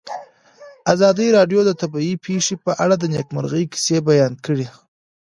ازادي راډیو د طبیعي پېښې په اړه د نېکمرغۍ کیسې بیان کړې.